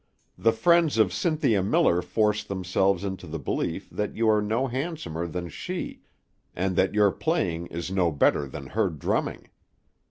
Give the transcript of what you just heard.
The friends of Cynthia Miller force themselves into the belief that you are no handsomer than she, and that your playing is no better than her drumming.